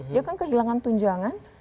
dia akan kehilangan tunjangan